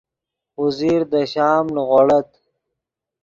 اوزیر دے شام نیغوڑت